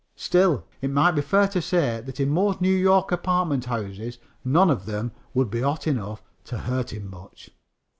Still, it might be fair to say that in most New York apartment houses none of them would be hot enough to hurt him much.